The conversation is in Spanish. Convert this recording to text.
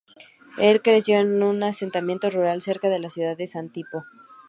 Él creció en un asentamiento rural cerca de la ciudad de Satipo.